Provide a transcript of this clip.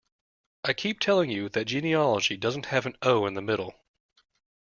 I keep telling you that genealogy doesn't have an ‘o’ in the middle.